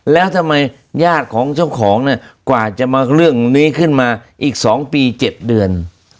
แล้วทำไมญาติของเจ้าของเนี่ยกว่าจะมาเรื่องนี้ขึ้นมาอีก๒ปี๗เดือน